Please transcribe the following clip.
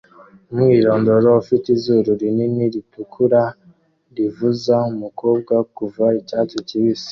Umwirondoro ufite izuru rinini ritukura rivuza umukobwa kuva icyatsi kibisi